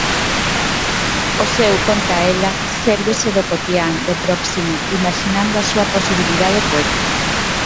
O seu, conta ela, sérvese do cotián, do próximo, imaxinando a súa posibilidade poética.